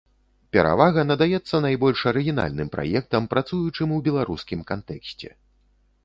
Перавага надаецца найбольш арыгінальным праектам, працуючым у беларускім кантэксце.